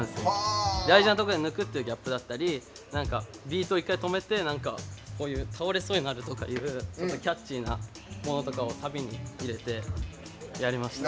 大事なところで抜くっていうギャップだったりビートを一回止めて倒れそうになるとかキャッチーなものとかをサビに入れてやりました。